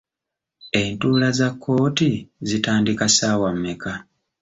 Entuula za kkooti zitandika ssaawa mmeka?